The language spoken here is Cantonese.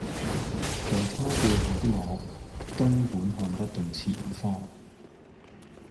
在他背後的我根本看不到前方